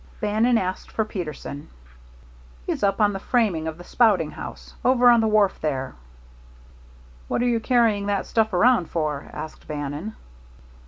Bannon asked for Peterson. "He's up on the framing of the spouting house, over on the wharf there." "What are you carrying that stuff around for?" asked Bannon.